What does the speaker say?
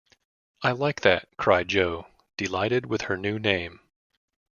"I like that," cried Jo, delighted with her new name.